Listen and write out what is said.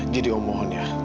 jadi om mohon ya